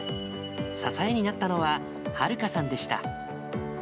支えになったのははるかさんでした。